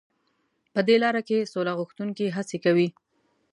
په دې لاره کې سوله غوښتونکي هڅې کوي.